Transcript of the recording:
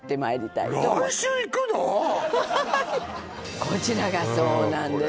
はいこちらがそうなんです